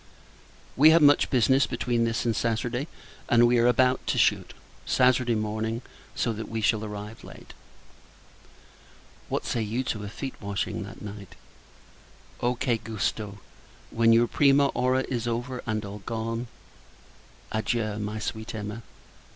We have much business between this and Saturday: and we are to shoot, Saturday morning; so that we shall arrive late. What say you to a feet washing that night? O che Gusto! when your prima ora is over, and all gone. Adieu, my sweet Emma!